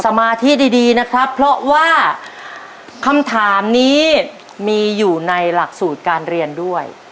สมาธิดีนะครับเพราะว่าคำถามนี้มีอยู่ในหลักสูตรการเรียนด้วย